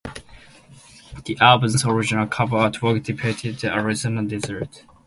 The album's original cover artwork depicted the Arizona desert.